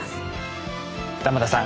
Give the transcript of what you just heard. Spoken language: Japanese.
玉田さん